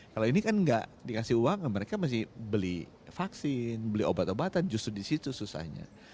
kalau ini kan nggak dikasih uang mereka mesti beli vaksin beli obat obatan justru disitu susahnya